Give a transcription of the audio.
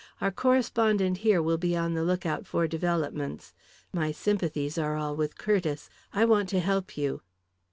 "Our correspondent here will be on the lookout for developments. My sympathies are all with Curtiss. I want to help you."